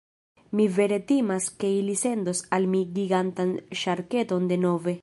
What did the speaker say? Mi vere timas ke ili sendos al mi gigantan ŝarketon denove.